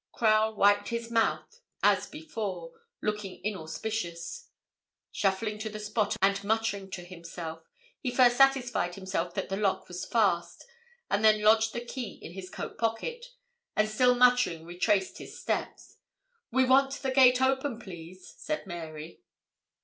Crowle wiped his mouth as before, looking inauspicious; shuffling to the spot, and muttering to himself, he first satisfied himself that the lock was fast, and then lodged the key in his coat pocket, and still muttering, retraced his steps. 'We want the gate open, please,' said Mary.